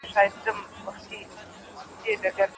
دا ناول د انسانانو پټې انګېزې لټوي.